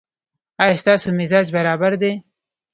ایا ستاسو مزاج برابر دی؟